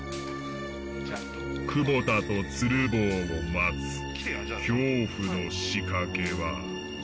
久保田と鶴房を待つ恐怖の仕掛けは。